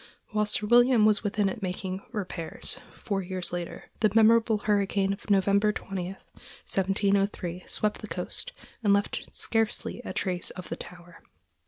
While Sir William was within it making repairs, four years later, the memorable hurricane of November 20, 1703, swept the coast, and left scarcely a trace of the tower.